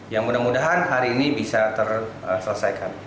ya mudah mudahan hari ini bisa terselesaikan